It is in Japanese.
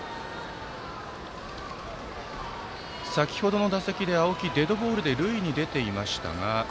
先程の打席で青木はデッドボールで塁に出ていましたが。